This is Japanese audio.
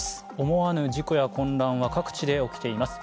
思わぬ事故や混乱は各地で起きています。